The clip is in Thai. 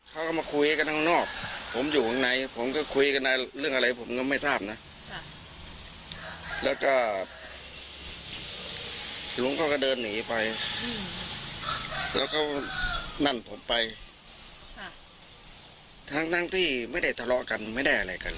เขาก็มาคุยกันข้างนอกผมอยู่ข้างในผมก็คุยกันในเรื่องอะไรผมก็ไม่ทราบนะแล้วก็ลุงเขาก็เดินหนีไปแล้วก็นั่นผมไปทั้งที่ไม่ได้ทะเลาะกันไม่ได้อะไรกัน